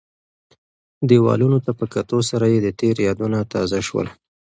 دیوالونو ته په کتو سره یې د تېر یادونه تازه شول.